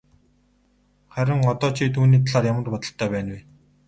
Харин одоо чи түүний талаар ямар бодолтой байна вэ?